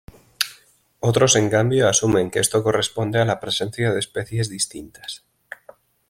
Otros, en cambio, asumen que esto corresponde a la presencia de especies distintas.